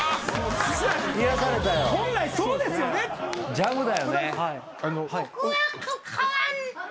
ジャムだよね。